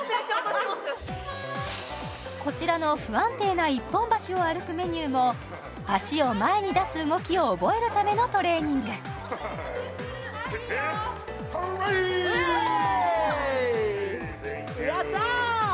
こちらの不安定な一本橋を歩くメニューも足を前に出す動きを覚えるためのトレーニングはいいいよＴｈａｎｋｙｏｕやった！